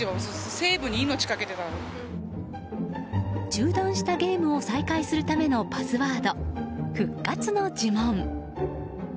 中断したゲームを再開するためのパスワード「ふっかつのじゅもん」。